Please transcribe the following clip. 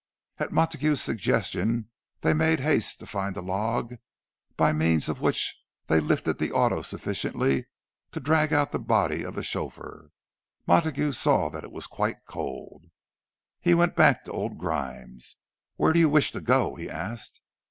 At Montague's suggestion they made haste to find a log by means of which they lifted the auto sufficiently to drag out the body of the chauffeur. Montague saw that it was quite cold. He went back to old Grimes. "Where do you wish to go?" he asked.